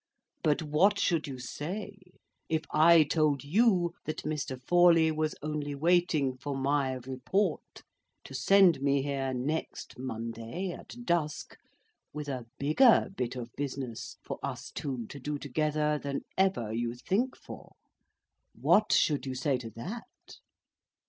—"But what should you say, if I told you that Mr. Forley was only waiting for my report, to send me here next Monday, at dusk, with a bigger bit of business for us two to do together than ever you think for? What should you say to that?"